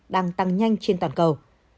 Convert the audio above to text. đang tăng nhanh trên toàn cầu